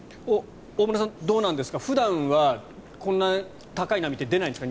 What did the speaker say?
大村さん、どうなんですか普段はこんな高い波出ないんですか？